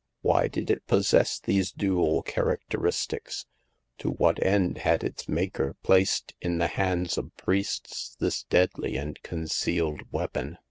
Why did it possess these dual characteristics ? To what end had its maker placed in the hands of priests this deadly and concealed weapon